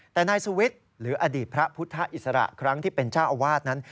แต่นายสุวิทย์หรืออดีตพระพุทธอิสระครั้งที่เป็นเจ้าอาวาสนั้น